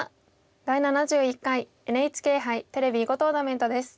「第７１回ＮＨＫ杯テレビ囲碁トーナメント」です。